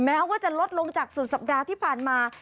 แม้ว่าจะลดลงจากสุดสัปดาห์ที่ผ่านมา